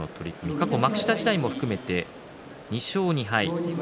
過去、幕下時代も含めて２勝２敗。